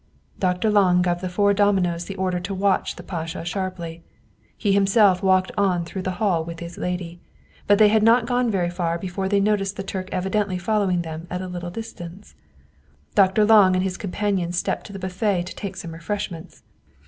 Dr. Lange gave the four dominos the order to watch the pasha sharply. He himself walked on through the hall with his lady. But they had not gone very far before they noticed the Turk evidently following them at a little distance. Dr. Lange and his companion stepped to the buffet to take some refreshments.